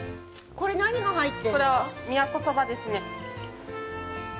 これは宮古そばですね。